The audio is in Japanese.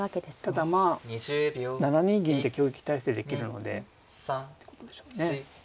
ただまあ７二銀で挟撃態勢できるので。ってことでしょうね。